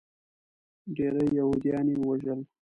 ډیری یهودیان یې ووژل.